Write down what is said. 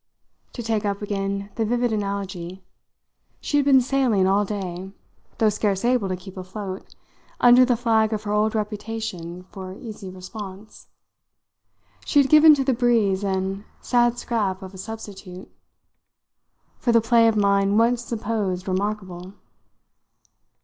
To take up again the vivid analogy, she had been sailing all day, though scarce able to keep afloat, under the flag of her old reputation for easy response. She had given to the breeze any sad scrap of a substitute, for the play of mind once supposed remarkable.